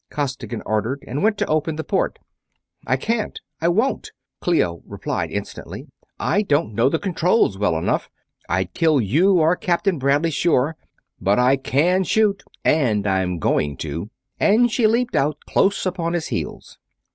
Costigan ordered, and went to open the port. "I can't I won't!" Clio replied instantly. "I don't know the controls well enough. I'd kill you or Captain Bradley, sure; but I can shoot, and I'm going to!" and she leaped out, close upon his heels.